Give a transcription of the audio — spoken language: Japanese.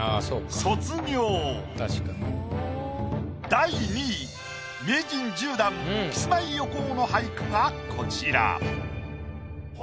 第２位名人１０段キスマイ横尾の俳句がこちら。